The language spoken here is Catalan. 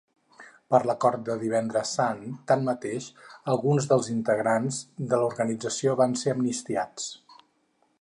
Per l'acord de Divendres Sant, tanmateix, alguns dels integrants de l'organització van ser amnistiats.